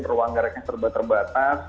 ruang geraknya terbatas